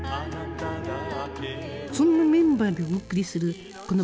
そんなメンバーでお送りするこの番組。